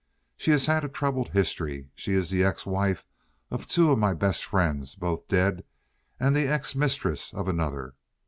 She has had a troubled history. She is the ex wife of two of my best friends, both dead, and the ex mistress of another.